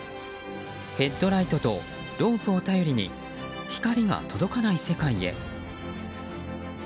ヘッドライトとロープを頼りに光が届かない世界へ。